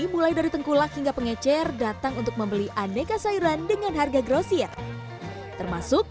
mulai dari tengkulak hingga pengecer datang untuk membeli aneka sayuran dengan harga grosir termasuk